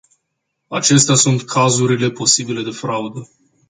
Acestea sunt cazurile posibile de fraudă.